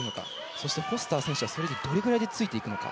そしてフォスター選手はそれにどれぐらいついていくのか。